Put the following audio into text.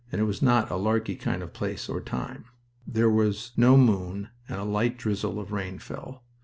It was not a larky kind of place or time. There was no moon, and a light drizzle of rain fell.